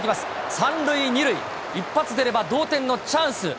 ３塁２塁、一発出れば同点のチャンス。